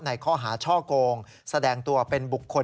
ในข้อหาช่อโกงแสดงตัวเป็นบุคคล